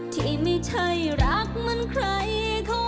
ที่ไม่ใช่รักเหมือนใครเขา